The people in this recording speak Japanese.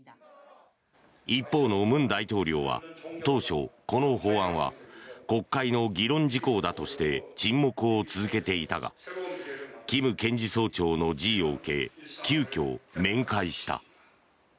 一方の文大統領は当初、この法案は国会の議論事項だとして沈黙を続けていたがキム検事総長の辞意を受け急きょ、面会した。